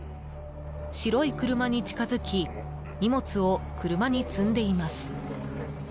白い車に近づき荷物を車に積んでいます。